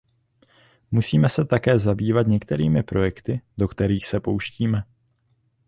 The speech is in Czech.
Musíme se také zabývat některými projekty, do kterých se pouštíme.